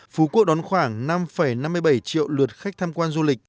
phú quốc đón khoảng năm năm mươi bảy triệu lượt khách tham quan du lịch